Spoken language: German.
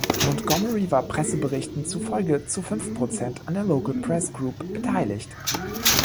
Montgomery war Presseberichten zufolge zu fünf Prozent an der Local Press Group beteiligt.